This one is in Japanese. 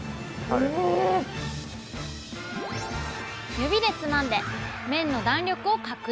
指でつまんで麺の弾力を確認。